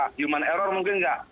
human error mungkin tidak